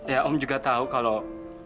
ya om juga tahu kalau